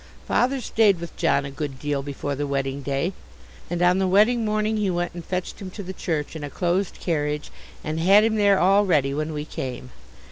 Father stayed with John a good deal before the wedding day, and on the wedding morning he went and fetched him to the church in a closed carriage and had him there all ready when we came.